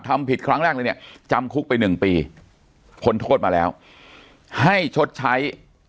ทำผิดครั้งแรกเลยเนี่ยจำคุกไปหนึ่งปีพ้นโทษมาแล้วให้ชดใช้